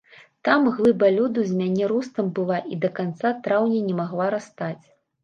Там глыба лёду з мяне ростам была і да канца траўня не магла растаць.